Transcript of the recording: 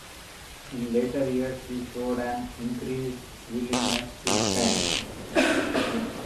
In later years, he showed an increased willingness to spend.